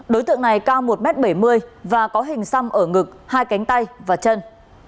đối tượng này cao một m bảy mươi và có hình xăm ở ngực hai cánh tay và chân